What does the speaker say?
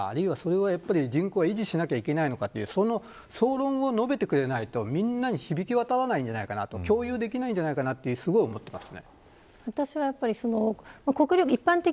やっぱり人口を維持しないといけないのか、そういった総論を述べてくれないとみんなに響き渡らないんじゃないかな共有できないんじゃないかなと思います。